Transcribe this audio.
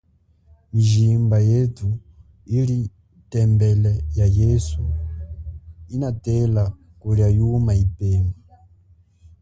Mijimba yethu ili tembele ya yesu inatela kulia yuma ipema.